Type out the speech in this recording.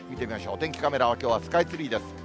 お天気カメラはきょうはスカイツリーです。